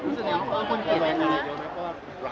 รู้สึกยังไงว่าคนเกลียดนะคะ